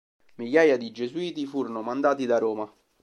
Migliaia di Gesuiti furono mandati da Roma.